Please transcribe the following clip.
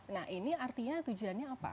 nah ini artinya tujuannya apa